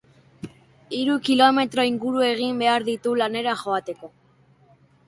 Hiru kilometro inguru egin behar ditu lanera joateko.